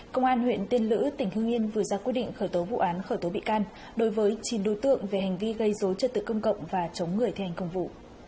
công an huyện tiên lữ tỉnh hương yên vừa ra quyết định khởi tố vụ án khởi tố bị can đối với chín đối tượng về hành vi gây dối trật tự công cộng và chống người thi hành công vụ